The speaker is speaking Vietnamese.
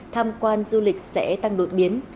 tham quan du lịch sẽ tăng đột biến